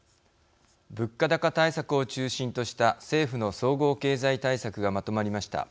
物価高対策を中心とした政府の総合経済対策がまとまりました。